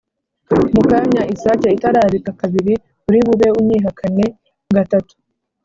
Mu kanya isake itarabika kabiri uri bube unyihakane gatatu